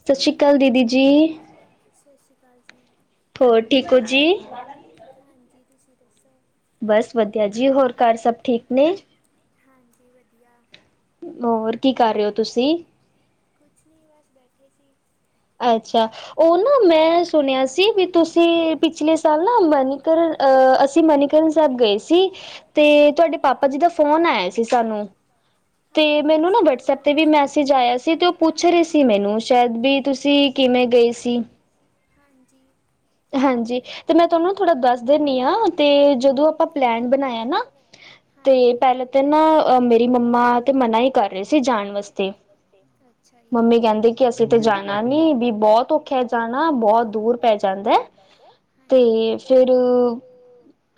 ਸਤਿ ਸ਼੍ਰੀ ਅਕਾਲ, ਦੀਦੀ ਜੀ। ਸਤਿ ਸ਼੍ਰੀ ਅਕਾਲ ਜੀ। ਹੋਰ ਠੀਕ ਹੋ ਜੀ? ਹਾਂਜੀ, ਤੁਸੀਂ ਦੱਸੋਂ? ਬਸ ਵਧੀਆ ਜੀ, ਹੋਰ ਘਰ ਸਭ ਠੀਕ ਨੇ? ਹਾਂਜੀ, ਵਧੀਆ। ਹੋਰ ਕੀ ਕਰ ਰਹੇ ਹੋ ਤੁਸੀਂ? ਕੁਛ ਨੀ, ਬਸ ਬੈਠੇ ਸੀ। ਅੱਛਾ, ਉਹ ਨਾ ਮੈਂ ਸੁਣਿਆ ਸੀ, ਵੀ ਤੁਸੀਂ ਪਿਛਲੇ ਸਾਲ ਨਾ ਮਨੀਕਰ ਆ, ਅਸੀਂ ਮਨੀਕਰਨ ਸਾਹਿਬ ਗਏ ਸੀ। ਤੇ ਤੁਹਾਡੇ ਪਾਪਾ ਜੀ ਦਾ ਫੋਨ ਆਇਆ ਸੀ ਸਾਨੂੰ। ਤੇ ਮੈਨੂੰ ਨਾ ਵਟਸਐਪ ਤੇ ਵੀ ਮੈਸੇਜ ਆਇਆ ਸੀ, ਤੇ ਉਹ ਪੁੱਛ ਰਹੇ ਸੀ ਮੈਨੂੰ, ਸ਼ਾਇਦ ਵੀ ਤੁਸੀਂ ਕਿਵੇਂ ਗਏ ਸੀ? ਹਾਂਜੀ। ਹਾਂਜੀ। ਤੇ ਮੈਂ ਤੁਹਾਨੂੰ ਫਿਰੋ ਦੱਸ ਦੇਨੀ ਆ, ਤੇ ਜਦੋਂ ਆਪਾਂ ਪਲੈਨ ਬਣਾਇਆ ਨਾ। ਹਾਂਜੀ, ਤੇ ਪਹਿਲੇ ਤੇ ਨਾ ਮੇਰੀ ਮੰਮਾ ਤੇ ਮਨਾ ਹੀ ਕਰ ਰਹੇ ਸੀ, ਜਾਣ ਵਾਸਤੇ। ਅੱਛਾ ਜੀ, ਮੰਮੀ ਕਹਿੰਦੇ ਕਿ ਅਸੀਂ ਤੇ ਜਾਣਾਗੇ ਵੀ, ਬਹੁਤ ਔਖਾ ਆ ਜਾਣਾ ਬਹੁਤ ਦੂਰ ਪੈ ਜਾਂਦਾ ਐ, ਹਾਂਜੀ। ਫੇਰ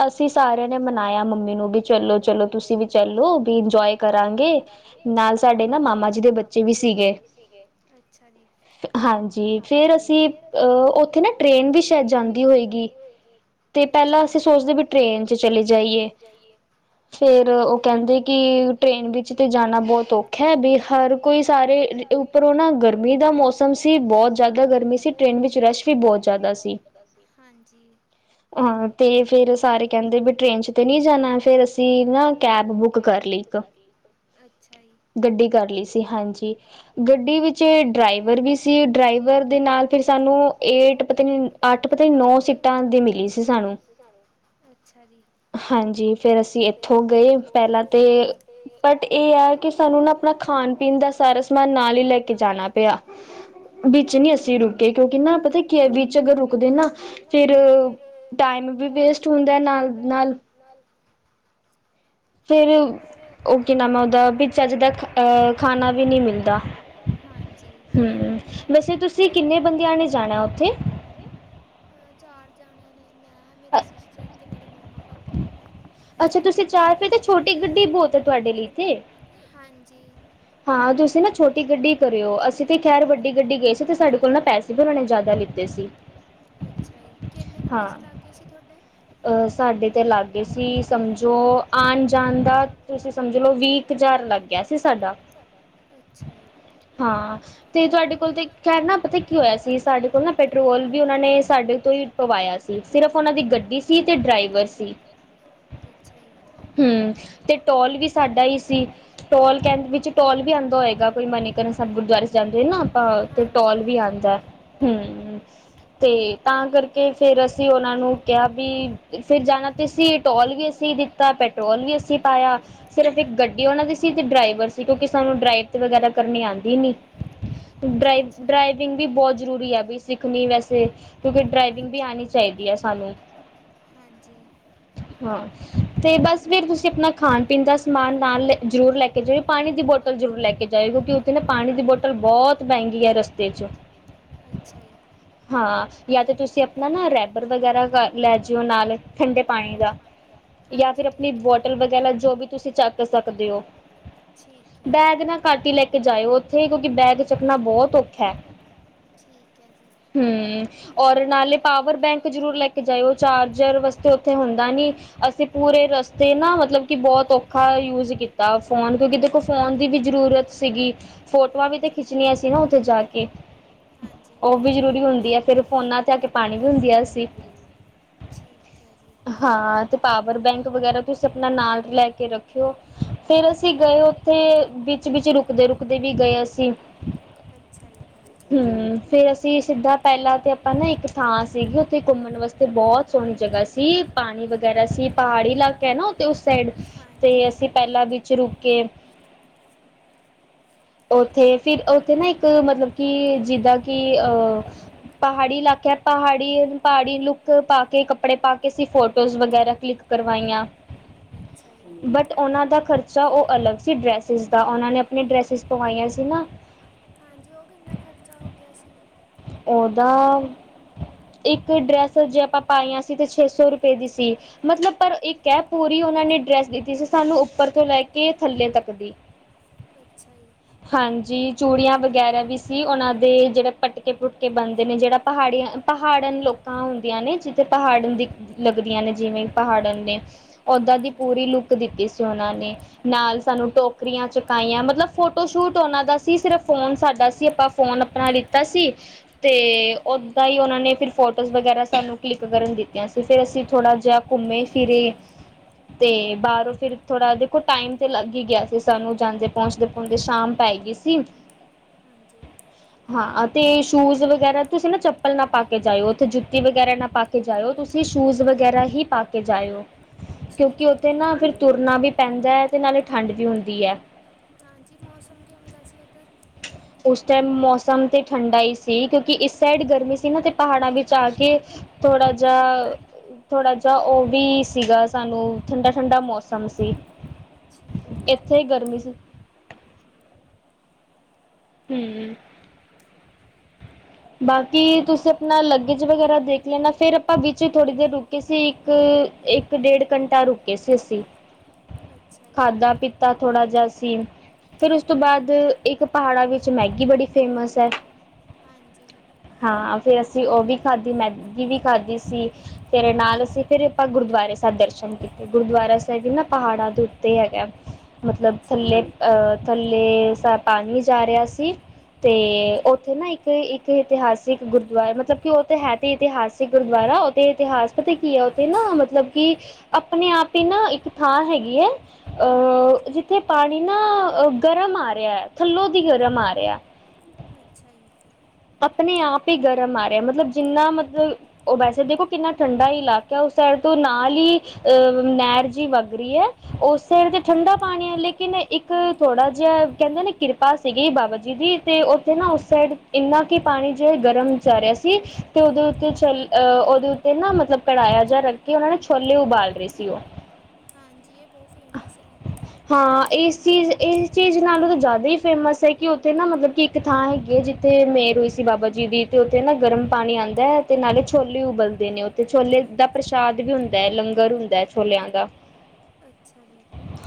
ਅਸੀਂ ਸਾਰਿਆਂ ਨੇ ਮਨਾਇਆ ਮੰਮੀ ਨੂੰ, ਵੀ ਚਲੋਂ ਚਲੋਂ ਤੁਸੀਂ ਵੀ ਚਲੋਂ ਵੀ ਇੰਜੋਏ ਕਰਾਂਗੇ, ਨਾਲ ਸਾਡੇ ਨਾ ਮਾਮਾ ਜੀ ਦੇ ਬੱਚੇ ਵੀ ਸੀਗੇ। ਹਾਂਜੀ, ਫਿਰ ਅਸੀਂ, ਅਹ ਉੱਥੇ ਨਾ ਟ੍ਰਰੇਨ ਵੀ ਸ਼ਾਇਦ ਜਾਂਦੀ ਹੋਏਗੀ। ਅੱਛਾ ਜੀ, ਤੇ ਪਹਿਲਾਂ ਅਸੀਂ ਸੋਚਦੇ ਵੀ ਟ੍ਰੇਨ ਚ ਚਲੇ ਜਾਈਏ। ਫੇਰ ਉਹ ਕਹਿੰਦੇ ਕਿ ਟ੍ਰੇਨ ਵਿੱਚ ਤੇ ਜਾਣਾ ਬਹੁਤ ਔਖਾ ਐ, ਬੀ ਹਰ ਕੋਈ ਸਾਰੇ ਉੱਪਰ ਨਾ, ਗਰਮੀ ਦਾ ਮੌਸਮ ਸੀ, ਬਹੁਤ ਜ਼ਿਆਦਾ ਗਰਮੀ ਸੀ, ਟ੍ਰੇਨ ਵਿੱਚ ਰਸ਼ ਵੀ ਬਹੁਤ ਜ਼ਿਆ ਦਾ ਸੀ, ਹਾਂਜੀ। ਹਾਂ ਹਾਂ ਆ, ਤੇ ਫੇਰ ਸਾਰੇ ਕਹਿੰਦੇ ਵੀ ਟ੍ਰੇਨ ਚ ਤੇ ਨਹੀ ਜਾਣਾ, ਫਰ ਅਸੀਂ ਨਾ ਕੈਬ ਬੁੱਕ ਕਰੀ ਇੱਕ। ਅੱਛਾ ਜੀ। ਗੱਡੀ ਕਰ ਲਈ ਸੀ ਹਾਂਜੀ, ਗੱਡੀ ਵਿੱਚ ਡਰਾਈਵਰ ਵੀ ਸੀ, ਡਰਾਈਵਰ ਦੇ ਨਾਲ ਫਿਰ [inaudible] ਅੱਠ ਪਤਾ ਨੋ ਸੀਟਾਂ ਹ ਦੀ ਮਿਲੀ ਸੀ ਸਾਨੂੰ, ਅੱਛਾ ਜੀ। ਹਾਂਜੀ, ਫੇਰ ਅਸੀਂ ਇੱਥੋਂ ਗਏ, ਪਹਿਲਾਂ ਤੇ ਬਟ ਇਹ ਆ ਕਿ ਸਾਨੂੰ ਨਾ ਆਪਣਾ ਖਾਣ ਪੀਣ ਦਾ ਸਾਰਾ ਸਮਾਨ ਨਾਲ ਹੀ ਲੈ ਕੇ ਜਾਣਾ ਪਿਆ। ਵਿੱਚ ਨੀ ਅਸੀਂ ਰੁਕੇ, ਕਿਉਂਕਿ ਨਾ ਪਤਾ ਕੀ ਵਿੱਚੋ ਅੱਗੇ ਰੁਕਦੇ ਨਾ ਫਿਰ ਓ ਟਾਈਮ ਵੀ ਵੇਸਟ ਹੁੰਦਾ ਨਾਲ-ਨਾਲ, ਫੇਰ ਉਹ ਕੀ ਨਾਮ ਐ ਉਦਾ, ਵਿੱਚ ਚੱਜ ਦਾ ਅਹ ਖਾਣਾ ਵੀ ਨਹੀ ਮਿਲਦਾ, ਹਾਂਜੀ। ਵੈਸੇ, ਤੁਸੀਂ ਕਿੰਨੇ ਬੰਦਿਆਂ ਨੇ ਜਾਣਾ ਉੱਥੇ, ਚਾਰ ਜਾਣਿਆ ਨੇ। ਮੈਂ, ਮੇਰੀ ਸਿਸਟਰ ਤੇ ਮੇਰੇ ਮੰਮਾ ਪਾਪਾ। ਅੱਛਾ ਤੁਸੀਂ ਚਾਰ ਕੇ ਤੇ ਛੋਟੀ ਗੱਡੀ ਬਹੁਤ ਤੁਹਾਡੇ ਲਈ ਤੇ ਹਾਂਜੀ! ਹਾਂ ਤੁਸੀਂ ਨਾ ਛੋਟੀ ਗੱਡੀ ਕਰਿਓ, ਅਸੀਂ ਤੇ ਖੈਰ ਵੱਡੀ ਗੱਡੀ ਗਏ ਸੀ ਤੇ ਸਾਡੇ ਕੋਲ ਨਾ ਪੈਸੇ ਨੇ ਜ਼ਿਆਦਾ ਲ ਗੲੇ ਸੀ ਅੱਛਾ ਜੀ, ਕਿੰਨੇ ਕੁ ਪੈਸੇ ਲਾਗੇ ਸੀ ਤੁਹਾਡੇ? ਅਹ, ਸਾਡੇ ਤੇ ਲਾਗੇਦਵ ਸੀ ਸਮਝੋ ਆਣ ਜਾਣ ਦਾ, ਤੁਸੀਂ ਸਮਝਲੋ ਬੀ ਹਜਾਰ ਲੱਗ ਗਿਆ ਸੀ ਸਾਡਾ, ਅੱਛਾ ਜੀ। ਹਾਂ, ਤੇ ਸਾਡੇ ਕੋਲ ਤੇ ਖੈਰ ਨਾ ਪਤਾ ਕੀ ਹੋਇਆ ਸੀ, ਸਾਡੇ ਕੋਲ ਨਾ ਪੈਟਰੋਲ ਵੀ ਉਹਨਾਂ ਨੇ ਸਾਡੇ ਤੋਂ ਹੀ, ਪਵਾਇਆ ਸੀ, ਸਿਰਫ ਉਹਨਾਂ ਦੀ ਗੱਡੀ ਸੀ ਤੇ ਡਰਾਈਵਰ ਸੀ, ਹੂੰ ਤੇ ਟੋਲ ਵੀ ਸਾਡਾ ਹੀ ਸੀ ਟੋਲ ਕਹਿਣ ਵਿੱਚ ਟੋਲ ਵੀ ਆਉਂਦਾ ਹੋਏਗਾ, ਕੋਈ ਮਨੀਕਰਨ ਸਾਹਿਬ ਗੁਰਦੁਆਰੇ ਜਾਂਦੇ ਨਾ ਆਪਾਂ ਤੇ ਟੋਲ ਵੀ ਆਉਂਦਾ, ਹੂੰ ਤੇ ਤਾਂ ਕਰ, ਕੇ ਫਿਰ ਅਸੀਂ ਉਹਨਾਂ ਨੂੰ ਕਿਹਾ, ਵੀ ਫੇਰ ਜਾਣਾ ਤੇ ਸੀ ਟੋਲ ਵੀ ਅਸੀਂ ਦਿੱਤਾ, ਪੈਟਰੋਲ ਵੀ ਅਸੀਂ ਪਾਇਆ, ਸਿਰਫ ਤੇ ਗੱਡੀ ਉਹਨਾਂ ਦੀ ਸੀ ਤੇ ਡਰਾਈਵਰ ਸੀ ਕਿਉਂਕਿ ਸਾਨੂੰ ਡਰਾਈਵ ਤੇ ਵਗੈਰਾ ਕਰਨੀ ਆਉਂਦੀ ਨੀ ਡਵ ਡਰਾਈਵਿੰਗ ਵੀ ਬਹੁਤ ਜ਼ਰੂਰੀ ਹੈ ਵੀ ਸਿੱਖਣੀ ਵੈਸੇ ਕਿਉਂਕਿ ਡ ਡਰਾਇਵਿੰਗ ਵੀ ਆਉਣੀ ਚਾਹੀਦੀ ਹੈ ਸਾਨੂੰ ਹੈਲੋ, ਹਾਂਜੀ। ਤੇ ਬਸ ਫਿਰ ਤੁਸੀਂ ਆਪਣਾ ਖਾਣ ਪੀਣ ਦਾ ਸਮਾਨ ਨਾਲ ਲੈ ਜ਼ਰੂਰ ਲੈ ਕੇ ਜਾ ਪਾਣੀ ਦੀ ਬੋਤਲ ਜ਼ਰੂਰ ਲੈ ਕੇ ਜਾਏ, ਓਥੇ ਪਾਣੀ ਦੀ ਬੋਤਲ ਬਹੁਤ ਮਹਿੰਗੀ ਹੈ ਰਸਤੇ ਚ, ਅੱਛਾ ਜੀ। ਹਾ ਜਾ ਤਾਂ ਤੁਸੀਂ ਤੁਸੀਂ ਆਪਣਾ ਵੀ ਰੈ ਵਗੈਰਾ ਲੈ ਜਓ ਨਾਲ ਠੰਡੇ ਪਾਣੀ ਦਾ ਹਾਂਜੀ ਠੀਕ ਹੈ ਬੌਟਲ ਵਗੈਰਾ ਚਾ ਕੱਟ ਦੇਓ ਠੀਕ ਹੈ ਜੀ, ਬੈਗ ਨਾ ਖਾਲੀ ਲੈ ਕੇ ਜਾਇਓ ਉੱਥੇ ਕਿਉਂਕਿ ਬੈਗ ਚੁਕਣਾ ਬਹੁਤ ਖਾ, ਠੀਕ ਹੈ ਜੀ। ਹੂੰ, ਔਰ ਨਾਲੇ ਪਾਵਰ ਬੈਂਕ ਜ਼ਰੂਰ ਲੈ ਆਇਓ, ਉਹ ਚਾਰਜਰ ਵਾਸਤੇ ਉੱਥੇ ਹੁੰਦਾ ਨੀ ਅਸੀਂ ਪੂਰੇ ਰਸਤੇ ਨਾ ਮਤਲਬ ਕਿ ਬਹੁਤ ਔਖੇ, ਖਾ ਯੂਜ ਕੀਤਾ ਫੋਨ ਕਿਉਂਕਿ ਦੇਖੋ ਫੋਨ ਦੀ ਵੀ ਜ਼ਰੂਰਤ ਸੀਗੀ ਫੋ ਫੋਟੋਆਂ ਵੀ ਤੇ ਖਿੱਚਣੀਆਂ ਸੀ ਨਾ ਉੱਥੇ ਜਾ ਕੇ, ਉਹ ਵੀ ਜ਼ਰੂਰੀ ਹੁੰਦੀ ਹੈ, ਫਿਰ ਫੋਨਾ, ਪਾਣੀ ਵੀ ਹੁੰਦੀ ਆ ਸੀ। ਠੀਕ ਹੈ ਜੀ। ਹਾਂ ਤੇ ਪਾਵਰ ਬੈਂਕ ਵਗੈਰਾ ਤੁਸੀਂ ਆਪਣਾ ਨਾਲ ਲੈ ਕੇ ਰੱਖ ਰਖਾਓ ਫਿਰ ਅਸੀਂ ਗਏ ਉੱਥੇ ਵਿੱਚ-ਵਿੱਚ ਰੁਕਦੇ-ਰੁਕਦੇ ਵੀ ਗਏ ਅਸੀਂ, ਅੱਛਾ ਜੀ। ਹੂੰ, ਫੇਰ ਅਸੀਂ ਸਿੱਧਾ ਪਹਿਲਾਂ ਤੇ ਆਪਾਂ ਨਾ ਇੱਕ ਥਾਂ ਸੀਗੀ ਉੱਥੇ ਘੁੰਮਣ ਵਾਸਤੇ, ਓਥੇ ਬਹੁਤ ਸੋਹਣੀ ਜਗ੍ਹਾ ਸੀ, ਪਾਣੀ ਵਗੈਰਾ ਸੀ, ਪਹਾੜੀ ਇਲਾਕੇ ਹੈ ਨਾ ਤੇ ਉਸ ਸਾਈਡ ਤੇ ਅਸੀਂ ਪਹਿਲਾਂ ਵਿੱਚ ਰੁਕ ਕੇ, ਉੱਥੇ ਫਿਰ ਉੱਥੇ ਨਾ ਇੱਕ ਮਤਲਬ ਕਿ ਜਿੱਦਾਂ ਕਿ ਅਹ, ਪਹਾੜੀ ਇਲਾਕਾ ਪਹਾੜੀ ਪਾੜੀ ਲੁੱਕ ਪਾ ਕੇ ਕੱਪੜੇ ਪਾ ਕੇ ਅਂਸੀ ਫੋਟੋਜ਼ ਵਗੈਰਾ ਕਲਿੱਕ ਕਰਵਾਇਆਂ। ਅੱਛਾ ਈ। ਓਨਾਂ ਦਾ ਖਰਚਾ ਓ ਅਲੱਗ ਸੀ ਡਰੈਸਿਸ ਦਾ, ਓਨਾਂ ਨੇ ਆਪਣੀ ਡਰੈਸਿਸ ਪਵਾਈਆਂ ਸੀ ਨਾ। ਹਾਂਜੀ, ਓ ਕਿੰਨਾ ਖ਼ਰਚਾ ਹੋ ਗਯਾ ਸੀ? ਓਦਾ ਇੱਕ ਵੀ ਡਰੈਸ ਜੇ ਆਪਾਂ ਪਾਈਆਂ ਸੀ ਤੇ ਛੇ ਸੌ ਰੁਪਏ ਦੀ ਸੀ। ਮਤਲਬ ਪਰ ਇੱਕ ਐ, ਪੂਰੀ ਓਨਾਂ ਨੇ ਡਰੈਸ ਦਿੱਤੀ ਸੀ ਸਾਨੂੰ ਉੱਪਰ ਤੋਂ ਲੈ ਕੇ ਥੱਲੇ ਤੱਕ ਦੀ। ਅੱਛਾ ਈ। ਹਾਂਜੀ, ਚੂੜੀਆਂ ਵਗੈਰਾ ਵੀ ਸੀ, ਓਨਾਂ ਦੇ ਜੇੜੇ ਪਟਕੇ-ਪੁਟਕੇ ਬਣਦੇ ਨੇ ਜੇੜਾ ਪਹਾੜੀਆਂ, ਪਹਾੜਨ ਲੋਕਾਂ ਹੁੰਦੀਆਂ ਨੇ ਜਿੱਥੇ ਪਹਾੜਨ ਦੀ‌‌‌ ਲੱਗਦੀਆਂ ਨੇ ਜਿਵੇਂ ਪਹਾੜਨ ਨੇ। ਓਦਾਂ ਦੀ ਪੂਰੀ ਲੁੱਕ ਦਿੱਤੀ ਸੀ ਓਨਾਂ ਨੇ ਨਾਲ ਸਾਨੂੰ ਟੋਕਰੀਆਂ ਚੁਕਾਇਆਂ ਮਤਲਬ ਫੋਟੋ ਸ਼ੂਟ ਓਨਾਂ ਦਾ ਸੀ। ਸਿਰਫ ਫੋਨ ਸਾਡਾ ਸੀ। ਆਪਾਂ ਫੋਨ ਅਪਣਾ ਲਿੱਤਾ ਸੀ। ਤੇ ਓਦਾਂ ਈ ਓਨਾਂ ਨੇ ਫਿਰ ਫੋਟੋਜ਼ ਵਗੈਰਾ ਸਾਨੂੰ ਕਲਿੱਕ ਕਰਨ ਦਿੱਤੀਆਂ ਸੀ ਫਿਰ ਅਸੀਂ ਥੋੜ੍ਹਾ ਜੇਹਾ ਕੁੰੰਮੇ-ਫਿਰੇ ਤੇ ਬਾਰੋਂ ਫਿਰ ਥੋੜਾ ਦੇਖੋ ਟਾਈਮ ਤੇ ਲੱਗ ਈ ਗਯਾ ਸੀ ਸਾਨੂੰ ਜਾਂਦੇ ਪਹੁੰਚਦੇ ਹੁਣ ਤੇ ਸ਼ਾਮ ਪੈ ਗੀ ਸੀ। ਹਾਂਜੀ। ਹਾਂ ਤੇ ਸ਼ੂਜ਼ ਵਗੈਰਾ ਤੁਸੀਂ ਨਾ ਚੱਪਲ ਨਾ ਪਾ ਕੇ ਜਾਏਓ ਓਥੇ ਜੁੱਤੀ ਵਗੈਰਾ ਨਾ ਪਾ ਕੇ ਕੇ ਜਾਏਓ ਤੁਸੀਂ ਸ਼ੂਜ ਵਗੈਰਾ ਹੀ ਪਾ ਕੇ ਜਾਏਓ। ਕਿਉਂਕਿ ਉੱਥੇ ਨਾ ਫਿਰ ਤੁਰਨਾ ਵੀ ਪੈਂਦਾ ਤੇ ਨਾਲੇ ਠੰਢ ਵੀ ਹੁੰਦੀ ਐ। ਹਾਂਜੀ, ਮੌਸਮ ਕਿਵੇਂ ਦਾ ਸੀ ਓਧਰ? ਹ [unintelligible] ਉਸ ਟਾਈਮ ਮੌਸਮ ਤੇ ਠੰਡਾ ਈ ਸੀ ਕਿਉਂਕਿ ਇਸ ਸਾਈਡ ਗਰਮੀ ਸੀ ਨਾ ਤੇ ਪਹਾੜਾਂ ਵਿੱਚ ਆ ਕੇ ਥੋੜਾ ਜੇਹਾ ਥੋੜਾ ਜਿਹਾ ਓ ਵੀ ਸੀਗਾ ਸਾਨੂੰ ਠੰਡਾ-ਠੰਡਾ ਮੌਸਮ ਸੀ। ਏੱਥੇ ਈ ਗਰਮੀ ਸੀ਼। ਹੂੰ। ਬਾਕੀ ਤੁਸੀਂ ਅਪਣਾ ਲਗੇਜ ਵਗੈਰਾ ਦੇਖ ਲੈਣਾ ਫਿਰ ਆਪਾਂ ਵਿੱਚ ਈ ਥੋੜ੍ਹੀ ਦੇਰ ਰੁਕੇ ਸੀ ਇੱਕ-ਇੱ ਡੇਢ ਘੰਟਾ ਰੁਕੇ ਸੀ ਅਸੀਂ ਖਾਧਾ-ਪੀ ਤਾਂ ਥੋੜ੍ਹਾ ਜਿਹਾ ਸੀ। ਫਿਰ ਉਸ ਤੋਂ ਬਾਅਦ ਇੱਕ ਪਹਾੜਾਂ ਵਿੱਚ ਮੈਗੀ ਬੜੀ ਫੇਮਸ ਐ। ਹਾਂਜੀ। ਹਾਂ, ਫੇਰ ਅਸੀਂ ਓ ਵੀ ਖਾਧੀ ਮੈਗੀ ਵੀ ਖਾਧੀ ਸੀ। ਤੇਰੇ ਨਾਲ ਅਸੀਂ ਫਿਰ ਆਪਾਂ ਗੁਰਦੁਆਰੇ ਸਾਹਿਬ ਦਰਸ਼ਨ ਕੀਤੇ ਗੁਰਦੁਆਰਾ ਸਾਹਿਬ ਨਾ ਪਹਾੜਾਂ ਦੇ ਉੱਤੇ ਈ ਹੈਗਾ। ਮਤਲਬ ਥੱਲੇ ਅਹ ਥੱਲੇ ਸਾ ਪਾਣੀ ਜਾ ਰੇਆ ਸੀ। ਤੇ ਓਥੇ ਨਾ ਇੱਕ ਇੱਕ ਇਤਿਹਾਸਿਕ ਗੁਰਦੁਆਰਾ ਮਤਲਬ ਕਿ ਓ ਤੇ ਹੈ ਤੇ ਇਤਿਹਾਸਿਕ ਗੁਰਦੁਆਰਾ ਓਦੇ ਇਤਿਹਾਸ ਪਤਾ ਕੀ ਐ ਓਥੇ ਨਾ ਮਤਲਬ ਕਿ ਅਪਣੇ ਆਪ ਈ ਨਾ ਇੱਕ ਥਾਂ ਹੈਗੀ ਹੈ ਅਹ ਜਿੱਥੇ ਪਾਣੀ ਨਾ ਗਰਮ ਆ ਰੇਆ ਥੱਲੋਂ ਦੀ ਗਰਮ ਆ ਰੇਆ। ਅੱਛਾ ਈ। ਅਪਣੇ ਆਪ ਈ ਗਰਮ ਆ ਰੇਆ ਮਤਲਬ ਜਿੰਨਾ ਮਤਲ ਓ ਵੈਸੇ ਦੇਖੋ ਕਿੰਨਾ ਠੰਡਾ ਇਲਾਕਾ ਉਸ ਸਾਈਡ ਤੋਂ ਨਾਲ ਈ ਅਹ ਨੈਰ ਜੀ ਵੱਗ ਰੀ ਐ। ਉਸ ਸਾਇਡ ਤੇ ਠੰਡਾ ਪਾਣੀ ਐ ਲੇਕਿਨ ਇੱਕ ਇੱਕ ਥੋੜਾ ਜਿਹਾ ਕਹਿੰਦੇ ਨਾ ਕਿਰਪਾ ਸੀਗੀ ਬਾਬਾ ਜੀ ਦੀ ਤੇ ਓਥੇ ਨਾ ਉਸ ਸਾਇਡ ਇੰਨਾ ਕਿ ਪਾਣੀ ਜੇ ਗਰਮ ਜਾ ਰਿਹਾ ਸੀ। ਅਤੇ ਉਹਦੇ ਉੱਤੇ ਚੱਲ ਉਹਦੇ ਉ ਤੇ ਨਾ ਮਤਲਬ ਕਢਾਇਆ ਜਿਹਾ ਰੱਖ ਕੇ, ਉਹਨਾ ਨੇ ਛੋਲੇ ਉਬਾਲ ਰਹੇ ਸੀ ਉਹ। ਹਾਂਜੀ, ਇਹ ਬਹੁਤ ਫੇਮਸ ਹੈ। ਹਾਂ, ਇਸ ਚੀਜ਼, ਇਸ ਚੀਜ਼ ਨਾਲੋਂ ਤਾਂ ਜ਼ਿਆਦਾ ਹੀ ਫੇਮਸ ਹੈ, ਕਿ ਉੱਥੇ ਨਾ ਮਤਲਬ ਕਿ ਇੱਕ ਥਾਂ ਹੈਗੀ ਹੈ ਜਿੱ ਤੇ ਮੇਹਰ ਹੋਈ ਸੀ ਬਾਬਾ ਜੀ ਦੀ, ਤੇ ਉੱਥੇ ਨਾ ਗਰਮ ਪਾਣੀ ਆਉਂਦਾ, ਤੇ ਨਾਲੇ ਛੋਲੇ ਉਬਲਦੇ ਨੇ ਓ ਤੇ ਛੋਲੇ ਦਾ ਪ੍ਰਸ਼ਾਦ ਵੀ ਹੁੰਦਾ ਹੈ। ਲੰਗਰ ਹੁੰਦਾ ਛੋਲਿਆਂ ਦਾ ਅੱਛਾ ਜੀ।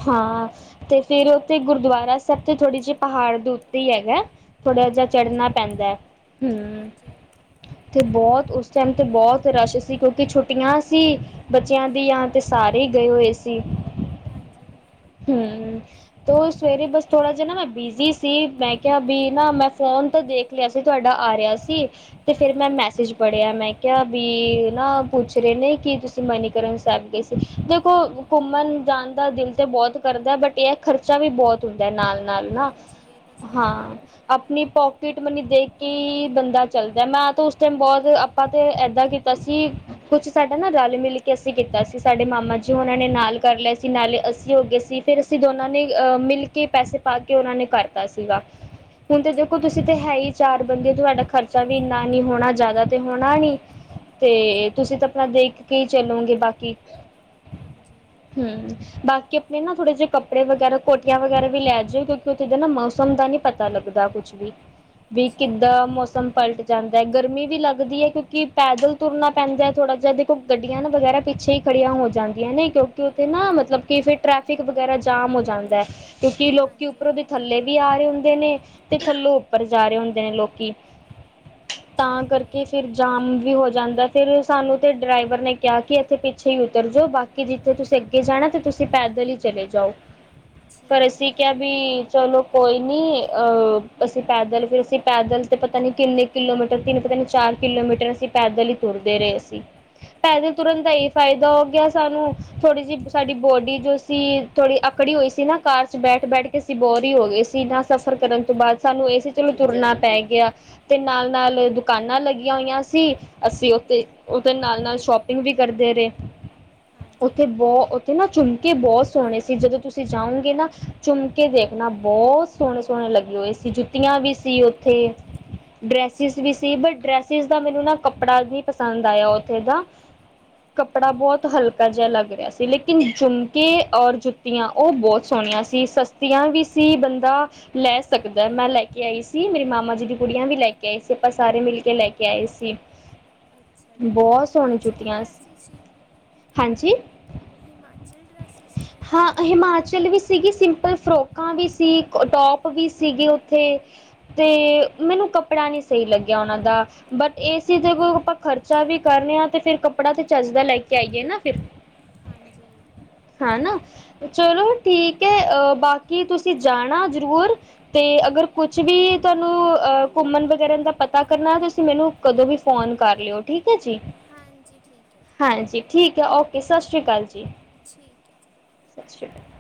ਹਾਂ। ਤੇ ਫੇਰ ਉੱਥੇ ਗੁਰਦੁਆਰਾ ਸਾਹਿਬ ਤੇ ਥੋੜੀ ਜਿਹੀ ਪਹਾੜ ਦੇ ਉੱਤੇ ਹੀ ਹੈਗਾ ਥੋੜਾ ਜਿਹਾ ਚੜ੍ਹਨਾ ਪੈਂਦਾ ਹੈ, ਹੂਂ ਤੇ ਬਹੁਤ ਉਸ ਟਾਈਮ ਤੇ, ਬਹੁਤ ਰਸ਼ ਸੀ ਕਿਉਂਕਿ ਛੁੱਟੀਆਂ ਸੀ। ਬੱਚਿਆਂ ਦੀਆਂ, ਤੇ ਸਾਰੇ ਹੀ ਗਏ ਹੋਏ ਸੀ। ਹਾਂਜੀ। ਹਮ, ਤੋਂ ਸਵੇਰੇ ਬਸ ਥੋੜਾ ਜਿਹਾ ਨਾ ਮੈਂ ਬਿਜੀ ਸੀ, ਮੈਂ ਕਿਹਾ ਵੀ ਨਾ ਮੈਂ ਫੋਨ ਤਾਂ ਦੇਖ ਲਿਆ ਸੀ, ਤੁਹਾਡਾ ਆ ਰਿਹਾ ਸੀ, ਤੇ ਫਿਰ ਮੈਂ ਮੈਸੇਜ ਪੜਿਆ ਮੈਂ ਕਿਹਾ ਵੀ, ਨਾ ਪੁੱਛ ਰਹੇ ਨੇ, ਕਿ ਤੁਸੀਂ ਮਨੀਕਰਨ ਸਾਹਿਬ ਗਏ ਸੀ ਦੇਖੋ ਘੁੰਮਣ ਜਾਣ ਦਾ ਦਿਲ ਤੇ ਬਹੁਤ ਕਰਦਾ ਹੈ। ਬਟ ਇਹ ਖਰਚਾ ਵੀ ਬਹੁਤ ਦਾ ਨਾਲ-ਨਾਲ ਨਾ, ਹਾਂ ਆਪਣੀ ਪੋਕਿਟ ਮਨੀ ਦੇਖ ਕੇ ਈ ਬੰਦਾ ਚੱਲਦਾ, ਮੈਂ ਤਾਂ ਉਸ ਟਾਈਮ ਬਹੁਤ ਆਪਾਂ ਤੇ ਏਦਾਂ ਕੀਤਾ ਸੀ ਕੁਛ ਸਾਡਾ ਨਾ ਰਲ ਮਿਲ ਕੇ ਅਸੀਂ ਕੀਤਾ ਸੀ, ਸਾਡੇ ਮਾਮਾ ਜੀ ਉਹ ਨੇ ਨਾਲ ਕਰ ਲਿਆ ਸੀ, ਨਾਲੇ ਅਸੀਂ ਹੋ ਗਏ ਸੀ। ਫਿਰ ਅਸੀਂ ਦੋਨਾਂ ਨੇ, ਅਹ ਮਿਲ ਕੇ, ਪੈਸੇ ਪਾ ਕੇ ਉਹਨਾਂ ਨੇ ਕਰਤਾ ਸੀਗਾ ਹੁਣ ਤੇ ਦੇੋ ਤੇ ਹੈ ਹੀ ਚਾਰ ਬੰਦੇ, ਤੁਹਾਡਾ ਖਰਚਾ ਵੀ ਇੰਨਾ ਨੀ ਹੋਣਾ, ਜ਼ਿਆਦਾ ਤੇ ਹੋਣਾ ਨੀ ਤੇ ਤੁਸੀਂ ਤਾਂ ਆਪਣਾ ਦੇਖ ਕੇ ਚੱਲੋਗੇ ਬਾਕੀ ਹਾਂਜੀ! ਹਮ, ਬਾਕੀ ਆਪਣੇ ਨਾ ਥੋੜੇ ਜਿਹੇ ਕੱਪੜੇ ਵਗੈਰਾ, ਕੋਟੀਆਂ ਵਗੈਰਾ ਵੀ ਲੈ ਜਾਓ, ਕਿਉਂਕਿ ਉੱਥੇ ਦੇ ਨਾ ਮੌਸਮ ਦਾ ਨੀ ਪਤਾ ਲੱਗਦਾ ਕੁਛ ਵੀ, ਵੀ ਕਿੱਦਾਂ ਮੌਸਮ ਪਲਟ ਜਾਂਦਾ ਗਰਮੀ ਵੀ ਲੱਗਦੀ ਹੈ, ਕਿਉਂਕਿ ਪੈਦਲ ਤੁਰਨਾ ਪੈਂਦਾ ਥੋੜ੍ਹਾ ਜਿਹਾ, ਦੇਖੋ ਗੱਡੀਆਂ ਵਗੈਰਾ ਪਿੱਛੇ ਹੀ ਖੜੀਆਂ ਹੋ ਜਾਂਦੀਆਂ ਨੇ, ਕਿਉਂਕਿ ਉੱਥੇ ਨਾ ਮਤਲਬ ਕਿ, ਫਿਰ ਟ੍ਰੈਫਿਕ ਵਗੈਰਾ ਜਾਮ ਹੋ ਜਾਂਦਾ ਹੈ। ਕਿਉਂਕਿ ਲੋਕੀ ਉੱਪਰੋਂ ਦੇ ਥੱਲੇ ਵੀ ਆ ਰਹੇ ਹੁੰਦੇ ਨੇ। ਤੇ ਥੱਲੋਂ ਉੱਪਰ ਜਾ ਰਹੇ ਹੁੰਦੇ ਨੇ ਲੋਕੀ, ਤਾਂ ਕਰਕੇ ਫਿਰ ਜਾਮ ਵੀ ਹੋ ਜਾਂਦਾ, ਫਿਰ ਸਾਨੂੰ ਤਾਂ ਡਰਾਈਵਰ ਨੇ ਕਿਹਾ, ਕਿ ਇੱਥੇ ਪਿੱਛੇ ਹੀ ਉਤਰ ਜਾਓ ਬਾਕੀ ਕਿ ਜਿੱਥੇ ਤੁਸੀਂ ਅੱਗੇ ਜਾਣਾ, ਤੇ ਤੁਸੀਂ ਪੈਦਲ ਹੀ ਚਲੇ ਜਾਓ। ਫੇਰ ਅਸੀਂ ਕਿਹਆ ਵੀ, ਚਲੋ ਕੋਈ ਨੀ ਅਹ ਅਸੀਂ ਪੈਦਲ, ਫਿਰ ਅਸੀਂ ਪੈਦਲ, ਤੇ ਪਤਾ ਨੀ ਕਿੰਨੇ ਕਿਲੋਮੀਟਰ, ਤਿੰਨ ਪਤਾ ਨੀ, ਚਾਰ ਕਿਲੋਮੀਟਰ ਅਸੀਂ ਪੈਦਲ ਹੀ ਤੁਰਦੇ ਰਹੇ ਸੀ। ਪੈਦੇ ਤੁਰਨ ਦਾ ਇਹ ਫਾਇਦਾ ਹੋ ਗਿਆ, ਸਾਨੂੰ ਥੋੜ੍ਹੀ ਜਿਹੀ ਸਾਡੀ ਬੋਡੀ ਜੋ ਸੀ ਥੋੜੀ ਅਕੜੀ ਹੋਈ ਸੀ ਨਾ, ਕਾਰ ਚ ਬੈਠ-ਬੈਠ ਕੇ ਅਸੀ ਬੋਰ ਹੀ ਹੋ ਗਏ ਸੀ, ਇਹਨਾ ਸਫ਼ਰ ਕਰਨ ਤੋਂ ਬਾਅਦ ਸਾਨੂੰ ਏ ਸੀ ਚਲ ਤੁਰਨਾ ਪੈ ਗਿਆ, ਤੇ ਨਾਲ-ਨਾਲ ਦੁਕਾਨਾਂ ਲੱਗੀਆਂ ਹੋਈਆਂ ਸੀ। ਅਸੀਂ ਉੱਥੇ ਉਹਦੇ ਨਾਲ-ਨਾਲ ਸ਼ੋਪਿੰਗ ਵੀ ਕਰਦੇ ਰਹੇ, ਉੱਥੇ ਬਹੁਤ ਤੇ ਨਾ ਝੁਮਕੇ ਬਹੁਤ ਸੋਹਣੇ ਸੀ, ਜਦੋਂ ਤੁਸੀਂ ਜਾਓਗੇ ਨਾ, ਝੁਮਕੇ ਦੇਖਣਾ ਬਹੁਤ ਸੋਹਣੇ-ਸੋਹਣੇ ਲੱਗੇ ਹੋਏ ਸੀ, ਜੁੱਤੀਆਂ ਵੀ ਸੀ ਉੱਥੇ, ਡਰੈਸਿਸ ਵੀ ਸੀ, ਬਟ ਡਰੈਸ ਜਿਸ ਦਾ ਮੈਨੂੰ ਨਾ, ਕੱਪੜਾ ਵੀ ਪਸੰਦ ਆਇਆ, ਉੱਥੇ ਦਾ ਕੱਪੜਾ ਬਹੁਤ ਹਲਕਾ ਜਿਹਾ ਲੱਗ ਰਿਹਾ ਸੀ, ਲੇਕਿਨ ਜੁਮਕੇ ਔਰ ਜੁੱ ਆਂ, ਉਹ ਬਹੁਤ ਸੋਹਣੀਆਂ ਸੀ, ਸਸਤੀਆਂ ਵੀ ਸੀ, ਬੰਦਾ ਲੈ ਸਕ ਕਿੱਦ ਮੈਂ ਲੈ ਕੇ ਆਈ ਸੀ, ਮੇਰੀ ਮਾਮਾ ਜੀ ਦੀ ਕੁੜੀਆਂ ਵੀ ਲੈ ਕੇ ਆਈ ਸੀ, ਆਪਾਂ ਸਾਰੇ ਮਿਲ ਕੇ ਲੈ ਕੇ ਆਏ ਸੀ। ਅੱਛਾ ਜੀ, ਹਿਮਾਚਲੀ ਡਰੈਸੀ ਸੀ। ਹਾਂਜੀ। ਹਿਮਾਚਲ ਡਰੈਸ ਸੀਗੀਆਂ? ਹਿਮਾਚਲ ਵੀ ਸੀਗੀ, ਸਿੰਪਲ ਫਰੋਕਾਂ ਵੀ ਸੀ, ਟੋਪ ਵੀ ਸੀਗੇ ਉੱਥੇ, ਤੇ ਮੈਨੂੰ ਕੱਪੜਾ ਨੀ ਸਹੀ ਲੱਗਿਆ ਓਹਨਾਂ ਦਾ, ਬਟ ਏਸ ਚੀਜ ਕੋ ਆਪਾਂ ਖਰਚਾ ਵੀ ਕਰ ਰਹੇ ਹਾਂ, ਤੇ ਫਿਰ ਕੱਪੜਾ ਤੇ ਚਜਦਾ ਲੈ ਕੇ ਆਈਏ ਨਾ ਫਿਰ, ਹਾਂਜੀ। ਹੈ ਨਾ ਚਲੋ ਠੀਕ ਏ, ਅ ਬਾਕੀ ਤੁਸੀਂ ਜਾਣਾ ਜ਼ਰੂਰ, ਤੇ ਅਗਰ ਕੁਛ ਵੀ ਤੁਹਾਨੂੰ ਅਹ ਘੁੰਮਣ ਵਗੈਰਾ ਦਾ ਪਤਾ ਕਰਨਾ ਤੇ ਤੁਸੀਂ ਮੈਨੂੰ, ਕਦੋਂ ਵੀ ਫੋਨ ਕਰ ਲਿਓ ਠੀਕ ਐ ਜੀ। ਹਾਂਜੀ -ਠੀਕ ਐ, ਜੀ। ਠੀਕ ਆ ਓਕੇ, ਸਤਿ ਸ਼੍ਰੀ ਅਕਾਲ ਜੀ। ਠੀਕ ਆ। ਸਤਿ ਸ਼੍ਰੀ ਅਕਾਲ।